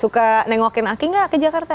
suka nengokin aki nggak ke jakarta